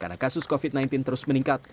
karena kasus covid sembilan belas terus meningkat